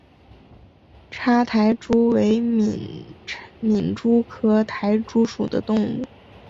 叉苔蛛为皿蛛科苔蛛属的动物。